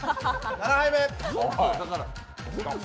７杯目。